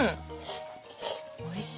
おいしい。